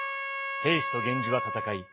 平氏と源氏は戦い